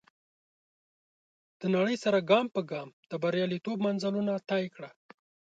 د نړۍ سره ګام پر ګام د برياليتوب منزلونه طی کړه.